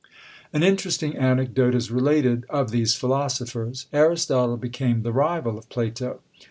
An interesting anecdote is related of these philosophers Aristotle became the rival of Plato.